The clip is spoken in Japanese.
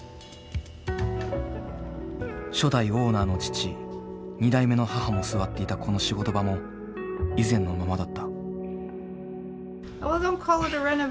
初代オーナーの父２代目の母も座っていたこの仕事場も以前のままだった。